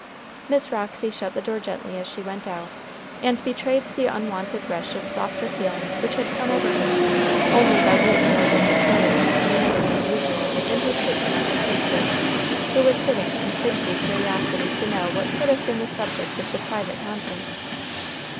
Miss Roxy shut the door gently as she went out, and betrayed the unwonted rush of softer feelings which had come over her only by being more dictatorial and commanding than usual in her treatment of her sister, who was sitting in fidgety curiosity to know what could have been the subject of the private conference.